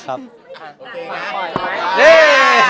ขอบคุณครับ